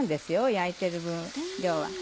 焼いてる分量は。